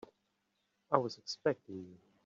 I was expecting you.